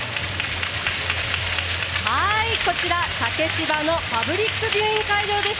こちら、竹芝のパブリックビューイング会場です。